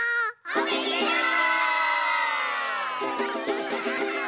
「おめでとう！」